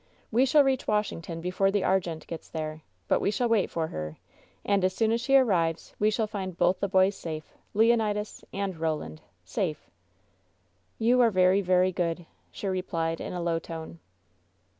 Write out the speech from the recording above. We shall reach Washington before the Argente gets there; but we shall wait for her, and as soon as she arrives we shall find both the boys safe — Leonidas and Roland — safe." "You are verj', very good," she replied, in a low tone.